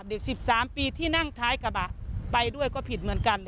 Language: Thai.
เด็ก๑๓ปีที่นั่งท้ายกระบะไปด้วยก็ผิดเหมือนกัน